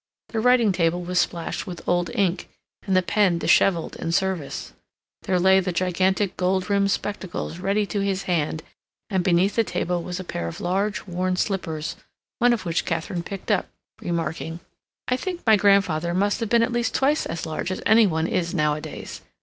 The writing table was splashed with old ink, and the pen disheveled in service. There lay the gigantic gold rimmed spectacles, ready to his hand, and beneath the table was a pair of large, worn slippers, one of which Katharine picked up, remarking: "I think my grandfather must have been at least twice as large as any one is nowadays.